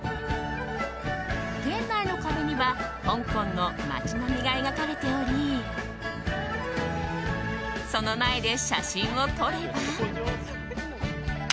店内の壁には香港の街並みが描かれておりその前で写真を撮れば。